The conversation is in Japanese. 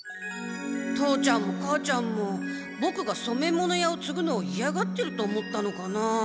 父ちゃんも母ちゃんもボクがそめ物屋をつぐのをいやがってると思ったのかな？